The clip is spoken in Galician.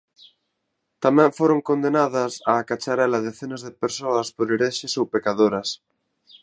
Tamén foron condenadas á cacharela decenas de persoas por "herexes" ou "pecadoras".